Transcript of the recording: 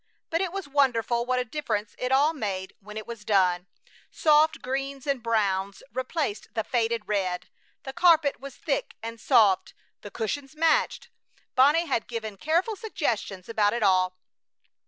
But it was wonderful what a difference it all made when it was done. Soft greens and browns replaced the faded red. The carpet was thick and soft, the cushions matched. Bonnie had given careful suggestions about it all.